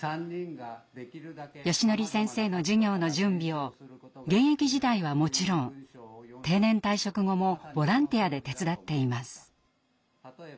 よしのり先生の授業の準備を現役時代はもちろん定年退職後もボランティアで手伝っています。